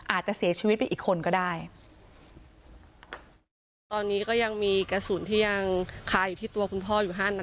อาจจะเสียชีวิตไปอีกคนก็ได้ตอนนี้ก็ยังมีกระสุนที่ยังคาอยู่ที่ตัวคุณพ่ออยู่ห้านัด